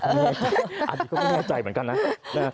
อันนี้ก็อันนี้ก็ไม่เมื่อใจเหมือนกันนะนะฮะ